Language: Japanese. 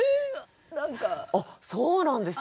あっそうなんですか。